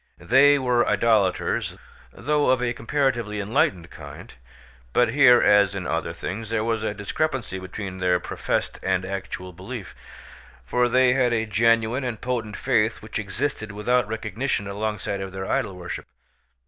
They were idolaters, though of a comparatively enlightened kind; but here, as in other things, there was a discrepancy between their professed and actual belief, for they had a genuine and potent faith which existed without recognition alongside of their idol worship.